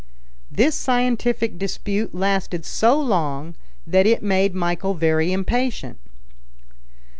This scientific dispute lasted so long that it made Michel very impatient.